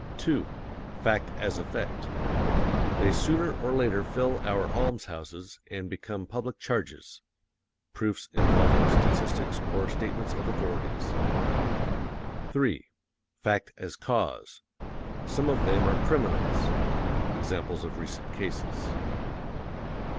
II. FACT AS EFFECT: They sooner or later fill our alms houses and become public charges. (Proofs involving statistics or statements of authorities.) III. FACT AS CAUSE: Some of them are criminals. (Examples of recent cases.)